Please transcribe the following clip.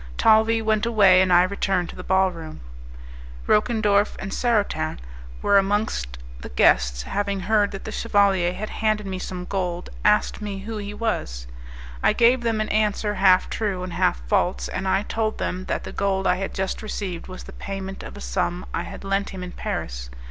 Talvis went away, and I returned to the ball room. Roquendorf and Sarotin, who were amongst the guests, having heard that the chevalier had handed me some gold, asked me who he was. I gave them an answer half true and half false, and I told them that the gold I had just received was the payment of a sum I had lent him in Paris.